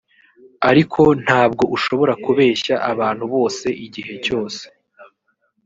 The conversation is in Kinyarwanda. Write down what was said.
ariko ntabwo ushobora kubeshya abantu bose igihe cyose